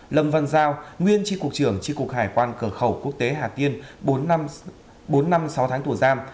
lâm văn giao nguyên tri cục trưởng tri cục hải quan cửa khẩu quốc tế hà tiên bốn năm sáu tháng tù giam